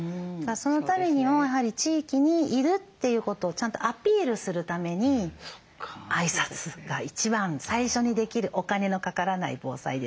そのためにもやはり地域にいるということをちゃんとアピールするために挨拶が一番最初にできるお金のかからない防災ですね。